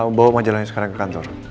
kamu bawa majalahnya sekarang ke kantor